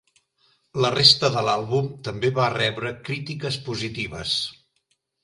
La resta de l'àlbum també va rebre crítiques positives.